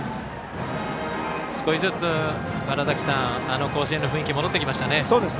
少しずつ甲子園の雰囲気が戻ってきましたね。